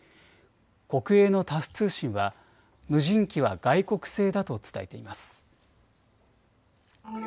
国営のタス通信は無人機は外国製だと伝えています。